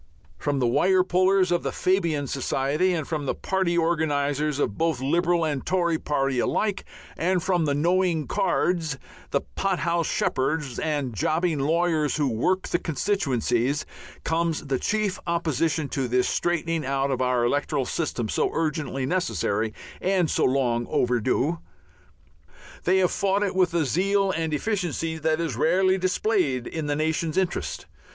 From the wire pullers of the Fabian Society and from the party organizers of both Liberal and Tory party alike, and from the knowing cards, the pothouse shepherds, and jobbing lawyers who "work" the constituencies, comes the chief opposition to this straightening out of our electoral system so urgently necessary and so long overdue. They have fought it with a zeal and efficiency that is rarely displayed in the nation's interest.